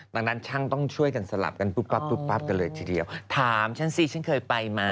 ดังนั้นช่างต้องช่วยกันสลับกันปุ๊บปั๊บปุ๊บปั๊บกันเลยทีเดียวถามฉันสิฉันเคยไปไหม